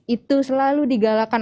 itu selalu digalakan